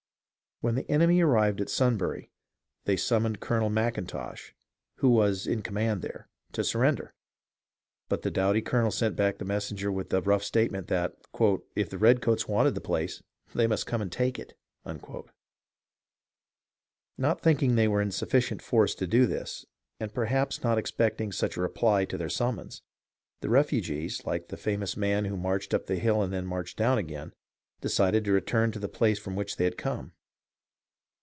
When the enemy arrived at Sunbury, they summoned Colonel M'Intosh, who was in command there, to sur render ; but the doughty colonel sent back the messenger with the rough statement that "if the redcoats wanted the place, they must come and take it." Not thinking they were in sufficient force to do this, and perhaps not expecting such a reply to their summons, the refugees, like the famous man who marched up the hill and then marched down again, decided to return to the place from which they had come.